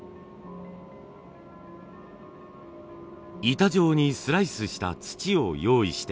板状にスライスした土を用意して。